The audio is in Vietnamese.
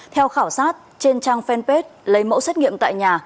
theo khảo sát trên trang fanpage lấy mẫu xét nghiệm tại nhà